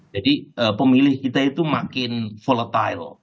jadi pemilih kita itu makin volatil